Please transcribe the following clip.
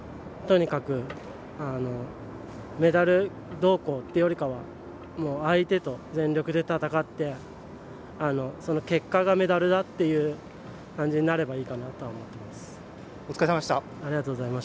メダルどうこうというよりは相手と全力で戦ってその結果がメダルだっていうことになればいいなと思います。